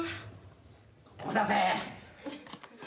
「お待たせ」